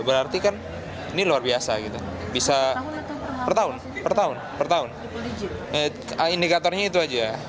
berarti kan ini luar biasa gitu bisa per tahun indikatornya itu aja